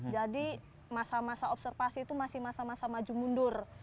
jadi masa masa observasi itu masih masa maju mundur